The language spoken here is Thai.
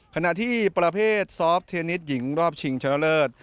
ขณะที่ประเภทซอฟต์เทนนิสหญิงรอบชิงชนะเลิศ